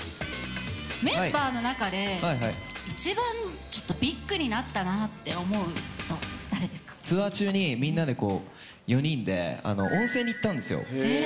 メンバーの中で、一番、ちょっとビッグになったなって思う人、ツアー中にみんなでこう、４人で温泉に行ったんですよ。